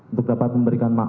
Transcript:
untuk dapat memberikan kesempatan